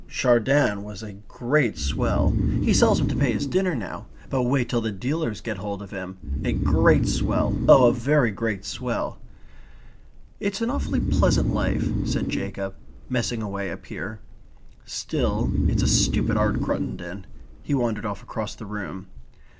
"Chardin was a great swell.... He sells 'em to pay his dinner now. But wait till the dealers get hold of him. A great swell oh, a very great swell." "It's an awfully pleasant life," said Jacob, "messing away up here. Still, it's a stupid art, Cruttendon." He wandered off across the room.